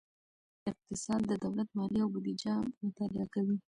اقتصاد د دولت مالیې او بودیجه مطالعه کوي.